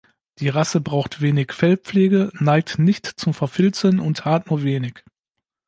Die Rasse braucht wenig Fellpflege, neigt nicht zum Verfilzen und haart nur wenig.